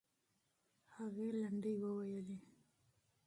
هغې لنډۍ وویلې.